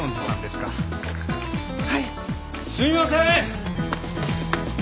すいません！